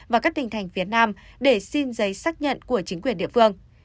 và các tỉnh thành phía nam để xin giấy xác nhận của chính quyền địa phương